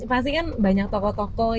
pasti kan banyak tokoh tokoh